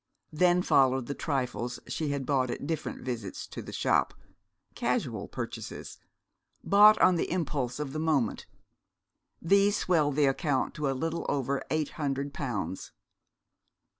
Then followed the trifles she had bought at different visits to the shop casual purchases, bought on the impulse of the moment. These swelled the account to a little over eight hundred pounds.